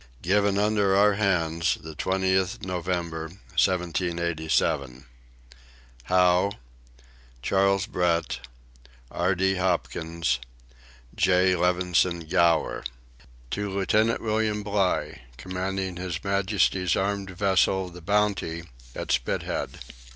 Given under our hands the 20th November 1787. HOWE, CHARLES BRETT, RD. HOPKINS, J. LEVESON GOWER. To Lieutenant William Bligh, commanding his majesty's armed vessel the Bounty at Spithead.